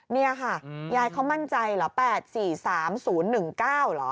นี่ค่ะยายเขามั่นใจเหรอ๘๔๓๐๑๙เหรอ